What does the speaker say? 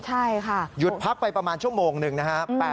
หยุดพักไปประมาณชั่วโมงนึงนะฮะ